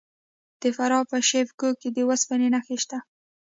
د فراه په شیب کوه کې د وسپنې نښې شته.